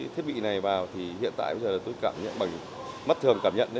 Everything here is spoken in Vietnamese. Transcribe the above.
thiết bị này vào thì hiện tại bây giờ là tôi cảm nhận bằng mắt thường cảm nhận